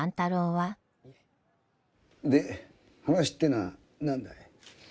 で話ってのは何だい？